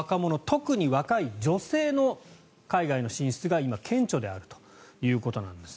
特に若い女性の海外の進出が今、顕著であるということです。